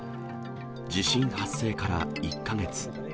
地震発生から１か月。